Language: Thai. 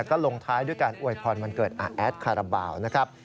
ก็ลงท้ายด้วยการอวยพรวันเกิดอาแอดคาราบาลนะครับ